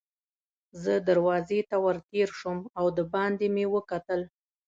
زه دروازې ته ور تېر شوم او دباندې مې وکتل.